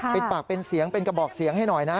เป็นปากเป็นเสียงเป็นกระบอกเสียงให้หน่อยนะ